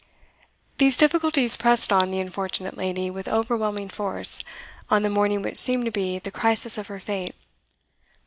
These difficulties pressed on the unfortunate lady with overwhelming force on the morning which seemed to be the crisis of her fate.